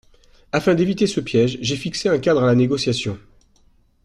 Afin d’éviter ce piège, j’ai fixé un cadre à la négociation.